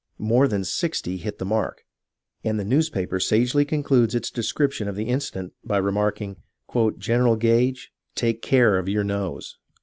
More than sixty hit the mark, and the newspaper sagely concludes its description of the incident by remarking :" General Gage, take care of your nose